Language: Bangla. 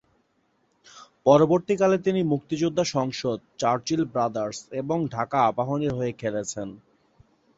পরবর্তীকালে, তিনি মুক্তিযোদ্ধা সংসদ, চার্চিল ব্রাদার্স এবং ঢাকা আবাহনীর হয়ে খেলেছেন।